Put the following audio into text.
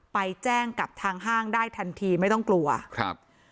ไปแจ้งกับทางห้างได้ทันทีไม่ต้องกลัวครับ